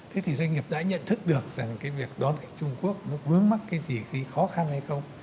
thế thì doanh nghiệp đã nhận thức được rằng việc đón khách trung quốc vướng mắt cái gì khi khó khăn hay không